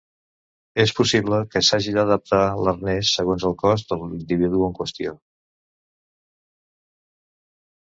És possible que s'hagi d'adaptar l'arnès segons el cos de l'individu en qüestió.